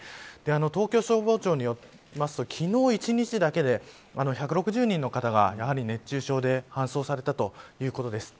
東京消防庁によりますと昨日一日だけで、１６０人の方がやはり熱中症で搬送されたということです。